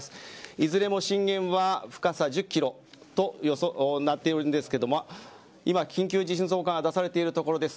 いずれも震源は深さ１０キロという予想になっているんですけれども今、緊急地震速報が出されているところです。